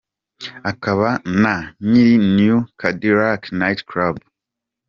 akaba na nyiri New Cadillac Night Club.